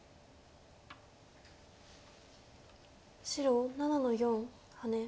白７の四ハネ。